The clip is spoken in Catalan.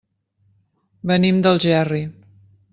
Venim d'Algerri.